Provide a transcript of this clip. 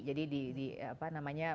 jadi di apa namanya